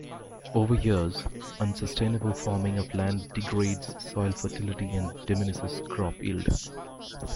Over years, unsustainable farming of land degrades soil fertility and diminishes crop yield.